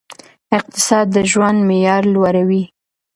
اقتصاد د ژوند معیار لوړوي.